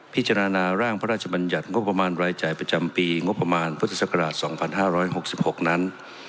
พิจารณาร่างพระราชบัญญัติงบประมาณรายจ่ายประจำปีงบประมาณพุทธศักราชส่องพันห้าร้อยหกสิบหกนั้น